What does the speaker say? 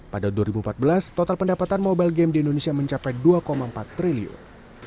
pada dua ribu empat belas total pendapatan mobile game di indonesia mencapai dua empat triliun